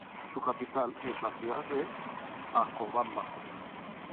Su capital es la ciudad de Acobamba.